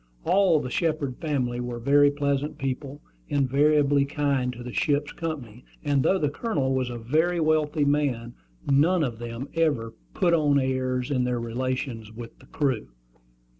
All the Shepard family were very pleasant people, invariably kind to the ship's company; and though the Colonel was a very wealthy man, none of them ever "put on airs" in their relations with the crew.